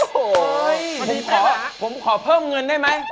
โอ้โหผมขอผมขอเพิ่มเงินได้ไหม